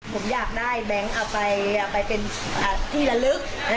เออจากเหย่อเดินได้จะได้แบงค์แบงค์๑๐๗